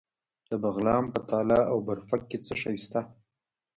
د بغلان په تاله او برفک کې څه شی شته؟